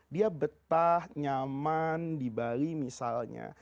dia betah nyaman di bali misalnya